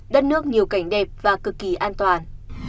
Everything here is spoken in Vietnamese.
đất nước nhiều cảnh đẹp và cực kỳ an toàn